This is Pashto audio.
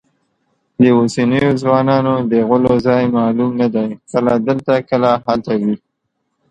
د اوسنیو ځوانانو د غولو ځای معلوم نه دی، کله دلته کله هلته وي.